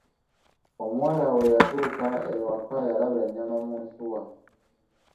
Omuwala we yatuuka ewaka, yalaba ennyama mu nsuwa.